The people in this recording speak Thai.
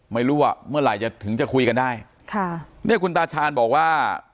ไม่รู้ว่าเมื่อไหร่จะถึงจะคุยกันได้ค่ะเนี่ยคุณตาชาญบอกว่า